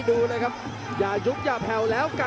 โอ้โหไม่พลาดกับธนาคมโด้แดงเขาสร้างแบบนี้